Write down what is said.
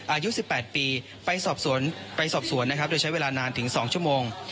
อายุ๑๘ปีไปสอบสวนโดยใช้เวลานานถึง๒ชั่วโมง